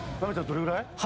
どれくらい？